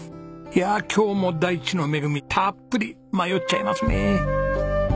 いやあ今日も大地の恵みたっぷり！迷っちゃいますね。